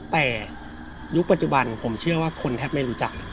แต่ยุคปัจจุบันผมเชื่อว่าคนแทบไม่รู้จัก